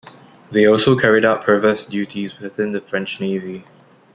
They also carry out provost duties within the French Navy.